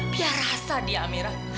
biar rasa dia amira